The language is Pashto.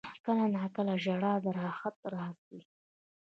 • کله ناکله ژړا د راحت راز وي.